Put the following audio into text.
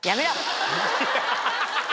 ハハハハ。